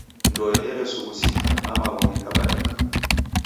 Ndoe eresughusika, na magho ghikabarika.